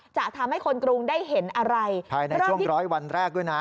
จะทำให้คนกรุงได้เห็นอะไรภายในช่วงร้อยวันแรกด้วยนะ